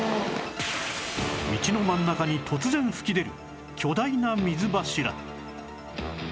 道の真ん中に突然噴き出る巨大な水柱